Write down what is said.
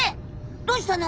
どうしたの？